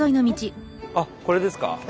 あっこれですか？